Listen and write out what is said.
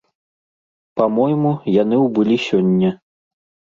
Па-мойму, яны ўбылі сёння.